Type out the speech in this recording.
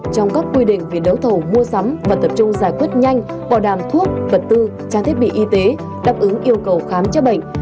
trong các quy định về đấu thầu mua sắm và tập trung giải quyết nhanh bỏ đàm thuốc vật tư trang thiết bị y tế đáp ứng yêu cầu khám chữa bệnh